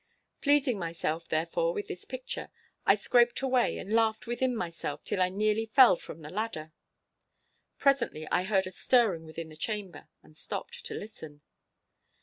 Pleasing myself, therefore, with this picture, I scraped away and laughed within myself till I nearly fell from the ladder. Presently I heard a stirring within the chamber, and stopped to listen.